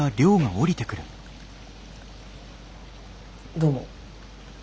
どうも。